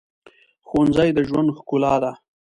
ښوونځی د ژوند ښکلا ده